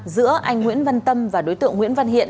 giữa anh nguyễn văn tâm và đối tượng nguyễn văn hiện